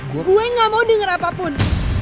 gue kue gak mau denger apapun